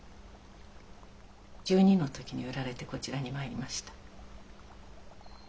１２の時に売られてこちらに参りました。